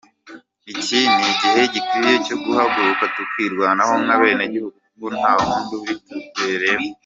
Iki ni igihe gikwiye cyo guhaguruka tukirwanaho nk’abenegihugu kuko nta wundi ubitubereyemo.